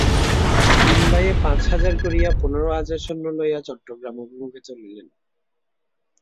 তিন ভাইয়ে পাঁচ হাজার করিয়া পনেরো হাজার সৈন্য লইয়া চট্টগ্রাম অভিমুখে চলিলেন।